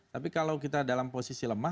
tapi kalau kita dalam posisi lemah